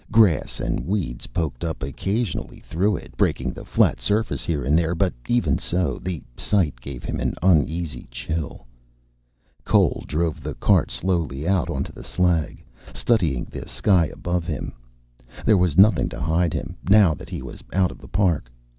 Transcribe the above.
Grass and weeds poked up occasionally through it, breaking the flat surface here and there, but even so, the sight gave him an uneasy chill. Cole drove the cart slowly out onto the slag, studying the sky above him. There was nothing to hide him, now that he was out of the park.